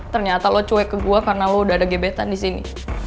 ternyata lo cuek ke gue karena lo udah ada gebetan di sini